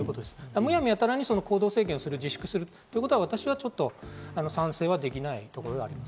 むやみやたらに行動制限するというのは私は賛成できないところがあります。